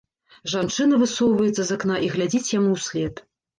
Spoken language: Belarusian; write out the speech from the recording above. Жанчына высоўваецца з акна і глядзіць яму ўслед.